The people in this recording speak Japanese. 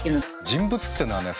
人物っていうのはね